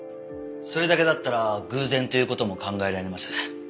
それだけだったら偶然という事も考えられます。